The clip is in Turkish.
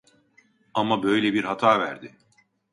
Ama böyle bir hata verdi